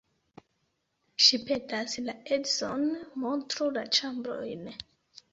Ŝi petas la edzon, montru la ĉambrojn.